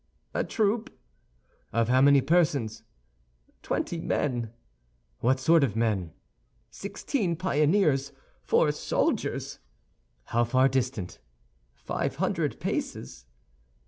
"A troop." "Of how many persons?" "Twenty men." "What sort of men?" "Sixteen pioneers, four soldiers." "How far distant?" "Five hundred paces."